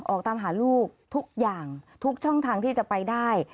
ออกตามหาลูกทุกอย่างทุกช่องทางที่จะไปได้